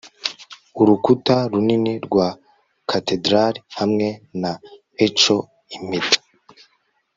urukuta runini rwa katedrali hamwe na echo impeta